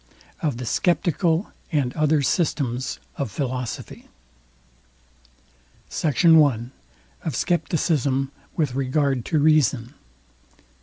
OF THE SCEPTICAL AND OTHER SYSTEMS OF PHILOSOPHY. SECT. I. OF SCEPTICISM WITH REGARD TO REASON.